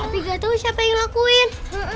tapi nggak tahu siapa yang ngelakuin